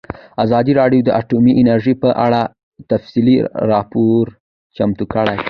ازادي راډیو د اټومي انرژي په اړه تفصیلي راپور چمتو کړی.